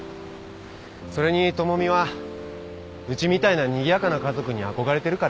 それに知美はうちみたいなにぎやかな家族に憧れてるから。